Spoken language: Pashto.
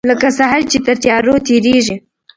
لکه سحر چې تر تیارو تیریږې